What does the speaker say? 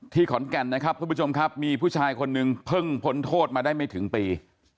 ที่ขอล์นแก่นนะครับผู้จมครับมีผู้ชายคนหนึ่งพึ่งฟทดมาได้ไม่ถึงปี